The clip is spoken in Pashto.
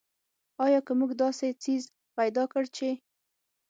آیا که موږ داسې څیز پیدا کړ چې.